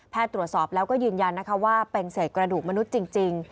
ตรวจสอบแล้วก็ยืนยันนะคะว่าเป็นเศษกระดูกมนุษย์จริง